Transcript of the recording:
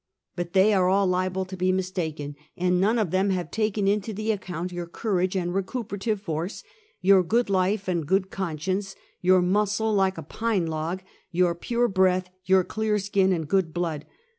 " But they are all liable to be mistaken, and none of them have taken into the account your courage and recuperative force ; your good life and good conscience ; your muscle, like a pine log; your pure breath; your clear skin and good blood.